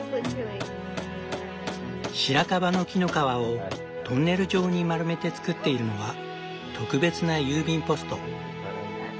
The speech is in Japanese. シラカバの木の皮をトンネル状に丸めて作っているのは特別な郵便ポスト。